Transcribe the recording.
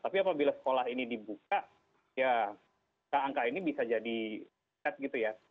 tapi apabila sekolah ini dibuka ya angka angka ini bisa jadi set gitu ya